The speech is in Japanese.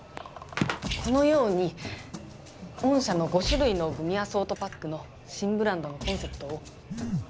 このように御社の５種類のグミアソートパックの新ブランドのコンセプトを。